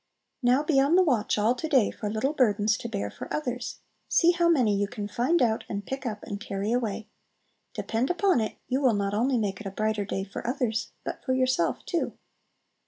Now be on the watch all to day for little burdens to bear for others. See how many you can find out, and pick up, and carry away! Depend upon it, you will not only make it a brighter day for others, but for yourself too!